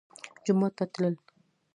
جومات ته تلل